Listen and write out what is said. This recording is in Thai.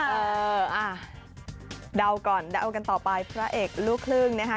เออดาวก่อนดาวกันต่อไปพระเอกลูกครึ่งนะฮะ